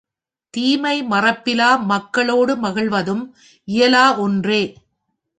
தீமை மறப்பிலா மக்க ளோடு மகிழ்வதும் இயலா ஒன்றே!